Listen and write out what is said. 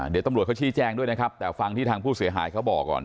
เดี๋ยวตำรวจเขาชี้แจ้งด้วยนะครับแต่ฟังที่ทางผู้เสียหายเขาบอกก่อน